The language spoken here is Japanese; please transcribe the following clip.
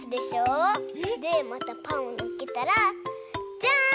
でまたパンをのっけたらじゃん！